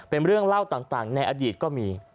เป็นเรื่องเล่าต่างในอดีตก็มี